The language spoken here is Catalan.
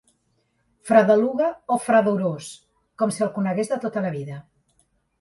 Fredeluga o Fredorós com si el conegués de tota la vida.